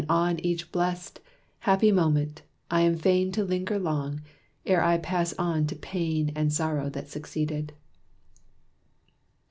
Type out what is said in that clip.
On each blest, happy moment, I am fain To linger long, ere I pass on to pain And sorrow that succeeded.